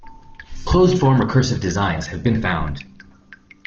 Closed-form recursive designs have been found.